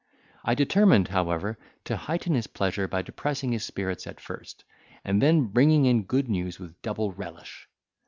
I determined, however, to heighten his pleasure, by depressing his spirits at first, and then bringing in good news with double relish.